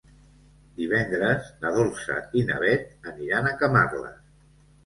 Divendres na Dolça i na Beth aniran a Camarles.